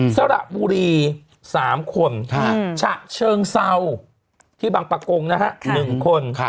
สหรับบุรี๓คนชะเชิงเศร้าที่บางปักกง๑คน